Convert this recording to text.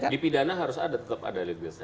di pidana harus ada legal standing